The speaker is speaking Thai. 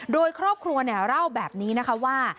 โดยครอบครัวเล่าแบบนี้นะคะว่า